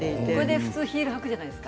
普通、ヒールを履くじゃないですか。